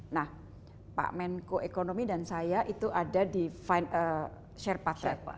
nah pak menko ekonomi dan saya itu ada di share patret pak